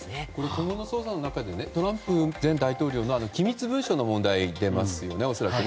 今後の捜査の中でトランプ前大統領の機密文書の問題恐らく出ますよね。